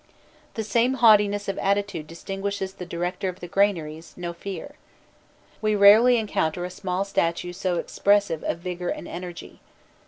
The same haughtiness of attitude distinguishes the director of the granaries, Nofir. We rarely encounter a small statue so expressive of vigour and energy.